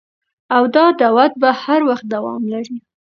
او دا دعوت به هر وخت دوام لري